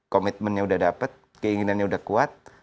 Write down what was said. komitmennya sudah dapat keinginannya sudah kuat